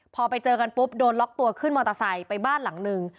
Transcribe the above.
พอไปเจอกันปุ๊บโดนล็อกตัวขึ้นมอเตอร์ไซค์ไปบ้านหลังนึง